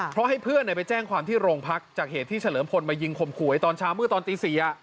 เพราะให้เพื่อนไปแจ้งความที่โรงพักจากเหตุที่เฉลิมพลมายิงข่มขู่ไว้ตอนเช้าเมื่อตอนตี๔